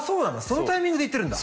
そのタイミングで行ってるんだ。